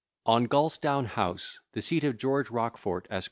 ON GAULSTOWN HOUSE THE SEAT OF GEORGE ROCHFORT, ESQ.